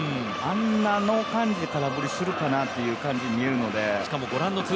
あの感じで空振りするかなという感じがするので。